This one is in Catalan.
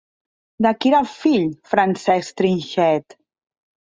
De qui era fill Francesc Trinxet?